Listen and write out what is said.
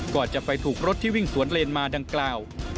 ก่อนจะไปถูกรถที่วิ่งสวนเลนมาดังกล่าว